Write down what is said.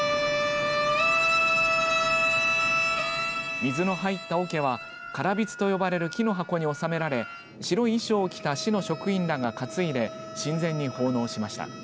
水の入ったおけは唐櫃と呼ばれる木の箱に納められ白い衣装を着た市の職員らが担いで神前に奉納しました。